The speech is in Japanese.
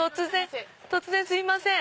突然すいません。